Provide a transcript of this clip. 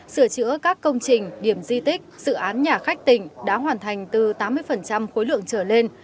sửa chữa các công trình điểm di tích dự án nhà khách tỉnh đã hoàn thành từ tám mươi khối lượng trở lên